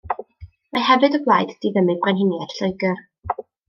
Mae hefyd o blaid diddymu Brenhiniaeth Lloegr.